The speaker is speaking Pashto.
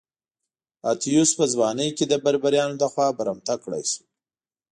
اتیوس په ځوانۍ کې د بربریانو لخوا برمته کړای شو.